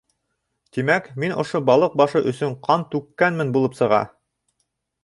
Тимәк, мин ошо балыҡ башы өсөн ҡан түккәнмен булып сыға.